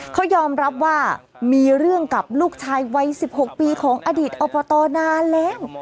เขายอมรับว่ามีเรื่องกับลูกชายวัย๑๖ปีของอดีตอบตนานแล้ว